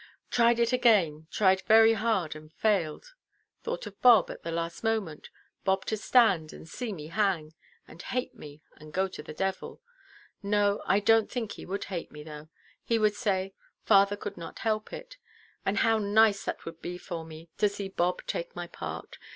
"Tried it again—tried very hard and failed. Thought of Bob, at last moment. Bob to stand, and see me hang—and hate me, and go to the devil. No, I donʼt think he would hate me, though; he would say, 'Father could not help it.' And how nice that would be for me, to see Bob take my part.